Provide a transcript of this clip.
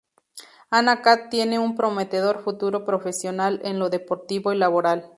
Ana Cate tiene un prometedor futuro profesional en lo deportivo y laboral.